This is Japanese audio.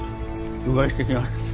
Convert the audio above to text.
うがいしてきます。